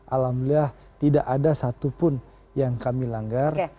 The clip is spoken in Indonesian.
alhamdulillah tidak ada satupun yang kami langgar